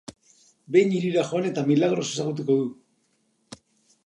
Behin hirira joan eta Milagros ezagutuko du.